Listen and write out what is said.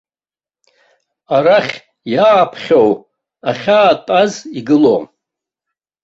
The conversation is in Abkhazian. Арахь иааԥхьоу ахьаатәаз игылом.